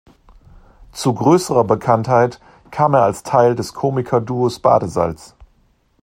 Zu größerer Bekanntheit kam er als Teil des Komikerduos Badesalz.